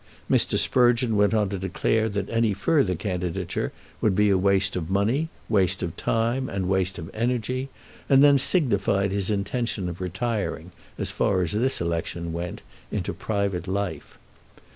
Mr. Sprugeon went on to declare that any further candidature would be waste of money, waste of time, and waste of energy, and then signified his intention of retiring, as far as this election went, into private life.